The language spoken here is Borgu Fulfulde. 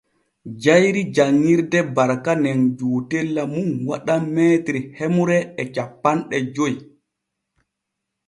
Jayri janŋirde Barka nen juutella mum waɗan m hemre e cappanɗe joy.